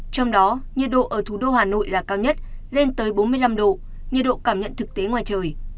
trong đó nhiệt độ ở thủ đô hà nội là cao nhất lên tới bốn mươi năm độ nhiệt độ cảm nhận thực tế ngoài trời